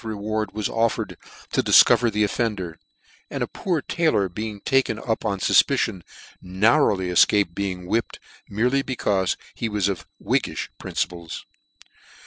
reward was offered to dif cover the offender : and a poor taylor being taken up on fufpicion, narrowly efcaped being whipped, merely becaufe he was of whiggifh principles.